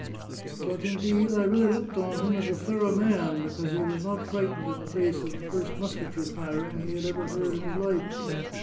But, indeed, I really looked on him as a thorough man, because he was not frightened in face of the first musketry firing he had ever heard in his life.